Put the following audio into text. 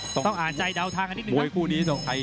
ต้องอ่านใจเดาทางนิดนึงครับ